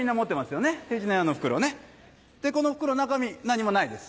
この袋中身何もないです